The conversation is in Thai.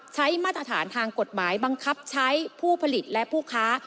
มาตรฐานทางกฎหมายบังคับใช้ผู้ผลิตและผู้ค้า